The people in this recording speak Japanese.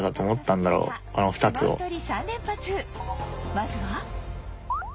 まずは